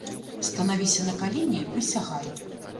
Станавіся на калені і прысягай!